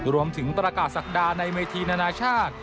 รวมถึงประกาศศักดาในเวทีนานาชาติ